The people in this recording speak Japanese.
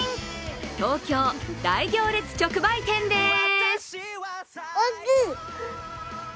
東京・大行列直売店です。